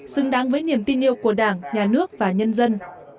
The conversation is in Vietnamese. xứng đáng với niềm tin yêu của đảng nhà nước và nhân dân